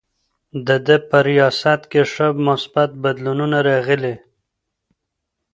د ده په ریاست کې ښه مثبت بدلونونه راغلي.